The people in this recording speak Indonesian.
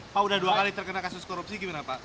pak udah dua kali terkena kasus korupsi gimana pak